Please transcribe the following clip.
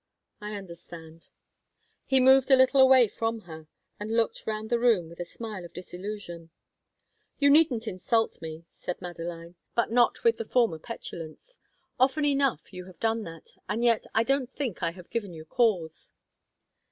"I understand." He moved a little away from her, and looked round the room with a smile of disillusion. "You needn't insult me," said Madeline, but not with the former petulance; "Often enough you have done that, and yet I don't think I have given you cause."